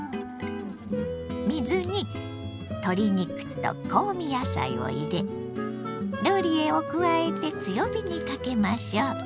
水に鶏肉と香味野菜を入れローリエを加えて強火にかけましょう。